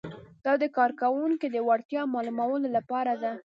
دا د کارکوونکي د وړتیا معلومولو لپاره ده.